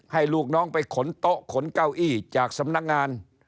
ลูกน้องไปขนโต๊ะขนเก้าอี้จากสำนักงาน